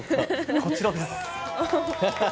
こちらです。